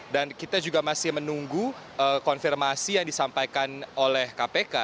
dan kita juga masih menunggu konfirmasi yang disampaikan oleh kpk